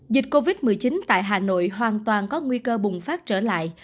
dịch covid một mươi chín tại hà nội hoàn toàn có nguy cơ bùng phát trở lại